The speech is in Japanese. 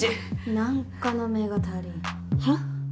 何かの目が足りんはっ？